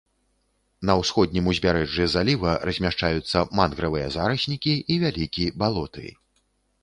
На ўсходнім узбярэжжы заліва размяшчаюцца мангравыя зараснікі і вялікі балоты.